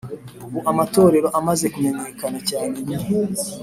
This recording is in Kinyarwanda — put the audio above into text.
Ubu amatorero amaze kumenyekana cyane ni